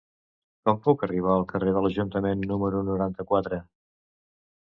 Com puc arribar al carrer de l'Ajuntament número noranta-quatre?